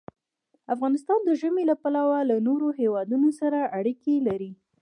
افغانستان د ژمی له پلوه له نورو هېوادونو سره اړیکې لري.